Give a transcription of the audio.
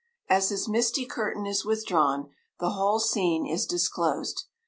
As this misty curtain is withdrawn, the whole scene is disclosed.